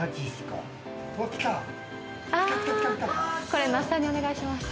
これ那須さんにお願いします。